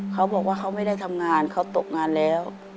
เขาบอกว่าเขาไม่ได้ทำงานเขาตกงานแล้ว